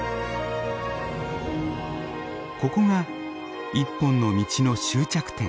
ここが一本の道の終着点。